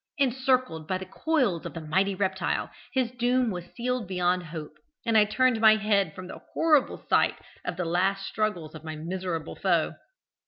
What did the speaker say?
Encircled by the coils of the mighty reptile, his doom was sealed beyond hope, and I turned my head from the horrible sight of the last struggles of my miserable foe.